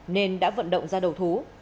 nên đã vận động ra đầu thú